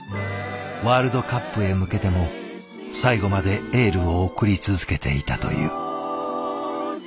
ワールドカップへ向けても最後までエールを送り続けていたという。